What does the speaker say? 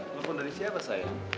lo pun dari siapa sayang